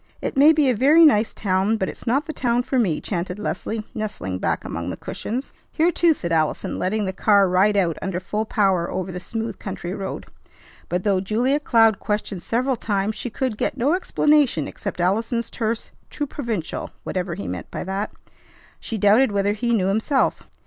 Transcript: "It may be a very nice town, but it's not the town for me," chanted Leslie, nestling back among the cushions. "Here, too!" said Allison, letting the car ride out under full power over the smooth country road. But, though Julia Cloud questioned several times, she could get no explanation except Allison's terse "Too provincial," whatever he meant by that. She doubted whether he knew himself.